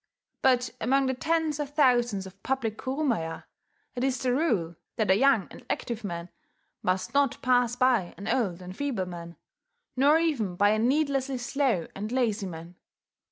But among the tens of thousands of public kurumaya, it is the rule that a young and active man must not pass by an old and feeble man, nor even by a needlessly slow and lazy man.